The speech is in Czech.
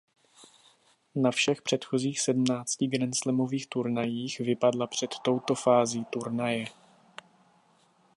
Na všech předchozích sedmnácti grandslamových turnajích vypadla před touto fází turnaje.